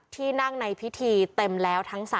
ที่นั่งในพิธีเต็มแล้วทั้ง๓